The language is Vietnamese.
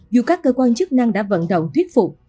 dù các cơ quan chức năng đã vận động thuyết phục